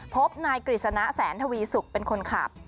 พบนายกฤษณะแสนทวีสุกเป็นคนขับ